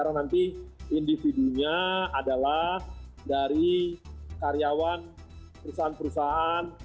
karena nanti individunya adalah dari karyawan perusahaan perusahaan